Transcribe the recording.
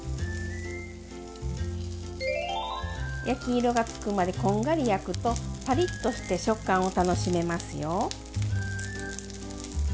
焼き色がつくまでこんがり焼くとパリッとして食感を楽しめますよ。